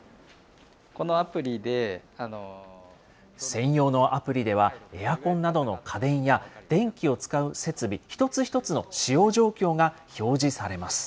専用のアプリでは、エアコンなどの家電や電気を使う設備一つ一つの使用状況が表示されます。